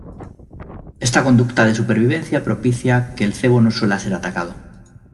Esta conducta de supervivencia propicia que el cebo no suela ser atacado.